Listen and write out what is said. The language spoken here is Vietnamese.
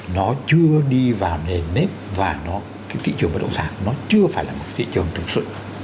nó chưa đi vào nề nếp và cái thị trường bất động sản nó chưa phải là một thị trường thực sự